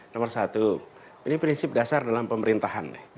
nomor satu ini prinsip dasar dalam pemerintahan